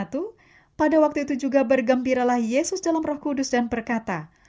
ayat dua puluh satu pada waktu itu juga bergembiralah yesus dalam roh kudus dan berkata